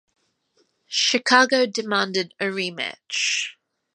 Chicago demanded a rematch.